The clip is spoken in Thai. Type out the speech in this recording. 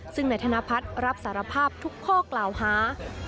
ซึ่งนายธนพัฒน์รับสารภาพทุกข้อกล่าวหา